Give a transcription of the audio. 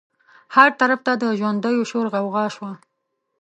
هر طرف ته د ژوندیو شور غوغا شوه.